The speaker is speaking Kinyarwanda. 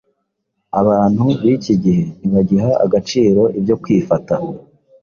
abantu b’iki gihe ntibagiha agaciro ibyo kwifata